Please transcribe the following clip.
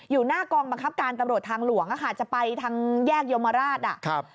อยู่หน้ากองบังคับการตำรวจทางหลวงจะไปทางแยกยมราช